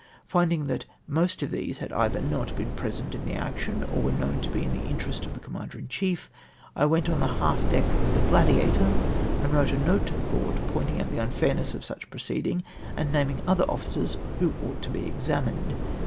Finding that most of these had either not been present in the action, or were known to be in the interest of the Commander in chief, I went on the half deck of the Gladiator, and wrote a note to the Court, pointing out the unfairness of such pro ceeding, and naming other officers who ouglit to be examined.